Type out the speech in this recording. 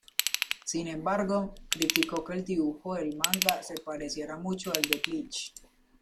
Sin embargo, criticó que el dibujo del manga se pareciera mucho al de "Bleach".